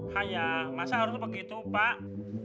hah ya masa harus begitu pak